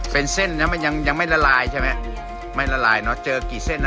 เป็นเส้นนะมันยังยังไม่ละลายใช่ไหมไม่ละลายเนอะเจอกี่เส้นนะ